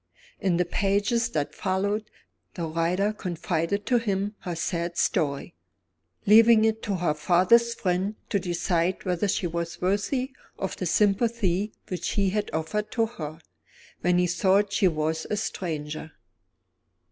In the pages that followed, the writer confided to him her sad story; leaving it to her father's friend to decide whether she was worthy of the sympathy which he had offered to her, when he thought she was a stranger.